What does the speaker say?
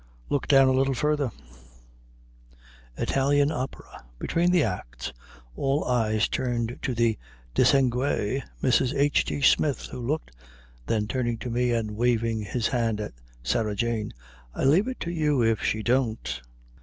"Look down a little further: "'ITALIAN OPERA. Between the acts all eyes turned to the distingué Mrs. H. G. Smith, who looked,'" then turning to me, and waving his hand at Sarah Jane, "I leave it to you if she don't."